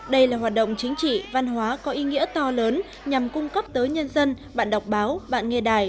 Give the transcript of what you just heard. đây là hoạt động chính trị văn hóa có ý nghĩa to lớn nhằm cung cấp tới nhân dân bạn đọc báo bạn nghe đài